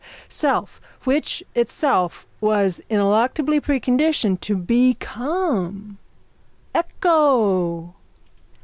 Self which it itself was ineluctably preconditioned to become. _Ecco!